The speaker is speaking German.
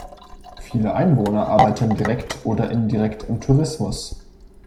Viele Einwohner arbeiten direkt oder indirekt im Tourismus.